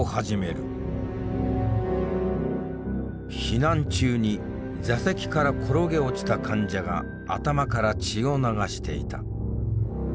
避難中に座席から転げ落ちた患者が頭から血を流していた。